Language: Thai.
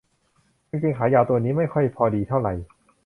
กางเกงขายาวตัวนี้ไม่ค่อยพอดีเท่าไหร่